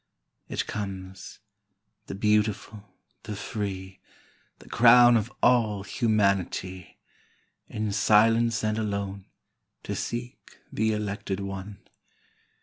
It comes, — the beautiful, the free, Tl: >wn of all humanity, — In silence and alone 2Q To seek the elected one.